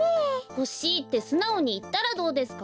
ほしいってすなおにいったらどうですか？